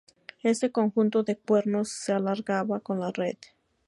Este conjunto de cuernos se alargaba con la edad.